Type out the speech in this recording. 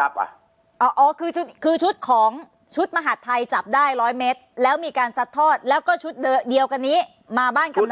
จับอ่ะชุดมหาดไทยจับได้ร้อยเมตรแล้วมีการซัดทอดแล้วก็ชุดเดียวกันนี้มาบ้านกำนัน